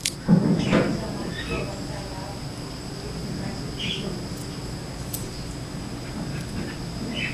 kifo cha malkia wa Taarab Bi Kidude Mwimbaji nguli wa muziki wa tarabu nchini